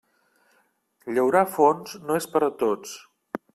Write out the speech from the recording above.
Llaurar fons no és per a tots.